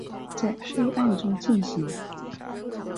在黑暗中进行